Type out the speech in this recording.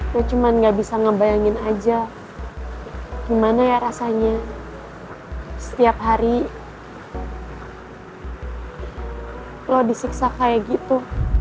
ya cuma nggak bisa ngebayangin aja gimana ya rasanya setiap hari lo disiksa kayak gitu